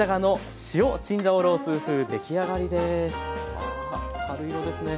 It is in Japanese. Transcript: あ春色ですね。